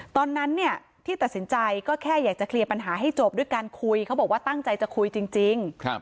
ตอนนั้นเนี่ยที่ตัดสินใจก็แค่อยากจะเคลียร์ปัญหาให้จบด้วยการคุยเขาบอกว่าตั้งใจจะคุยจริง